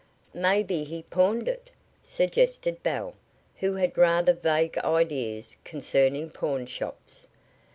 "Maybe he pawned it," suggested Belle, who had rather vague ideas concerning pawnshops.